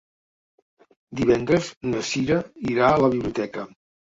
Divendres na Cira irà a la biblioteca.